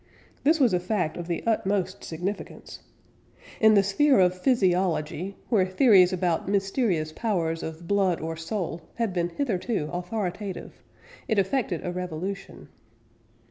This was a fact of the utmost significance. In the sphere of physiology, where theories about mysterious powers of blood or soul had been hitherto authoritative, it effected a revolution.